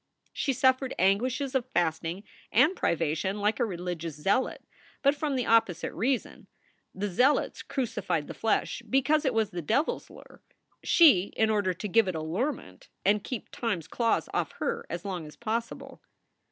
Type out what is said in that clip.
She suffered anguishes of fasting and privation like a religious zealot, but from the opposite reason: the zealots crucified the flesh because it was the devil s lure; she in order to give it allurement and keep time s claws off her as long as possible.